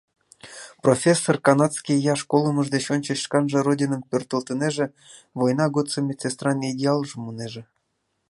Профессор, канадский, ияш, колымыж деч ончыч шканже Родиным пӧртылтынеже, война годсо медсестран идеалжым мунеже.